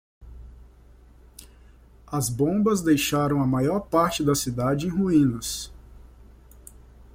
As bombas deixaram a maior parte da cidade em ruínas.